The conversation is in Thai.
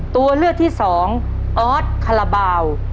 ตัวเลือดที่๒ออธคลบาว